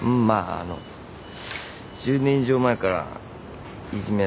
ああの１０年以上前からいじめられてたみたいだし。